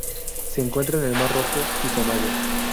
Se encuentra en el mar Rojo y Somalia.